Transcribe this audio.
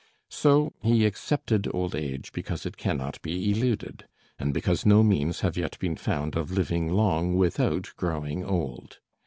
So he accepted old age because it cannot be eluded, and because no means have yet been found of living long without growing old.